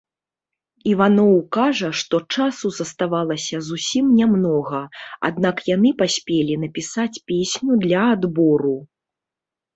Іваноў кажа, што часу заставалася зусім нямнога, аднак яны паспелі напісаць песню для адбору.